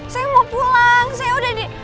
saya mau pulang saya udah nih